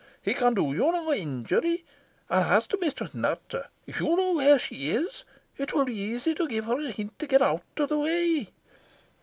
He can do you no injury, and as to Mistress Nutter, if you know where she is, it will be easy to give her a hint to get out of the way."